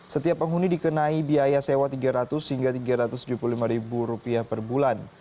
setiap penghuni dikenai biaya sewa tiga ratus hingga tiga ratus tujuh puluh lima ribu rupiah per bulan